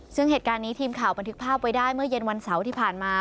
ซึ่งเหตุการณ์นี้ทีมข่าวบันทึกภาพไว้ได้เมื่อเย็นวันเสาร์ที่ผ่านมา